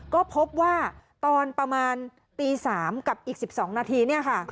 ก็พบว่าตอนประมาณตี๓กับอีก๑๒นาที